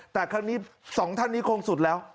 แต่ครั้งนี้สองท่านนี้คงสุดแล้ว